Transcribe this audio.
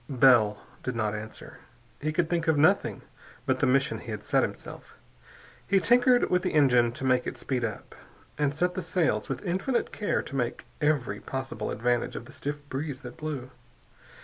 Bell did not answer. He could think of nothing but the mission he had set himself. He tinkered with the engine to make it speed up, and set the sails with infinite care to take every possible advantage of the stiff breeze that blew.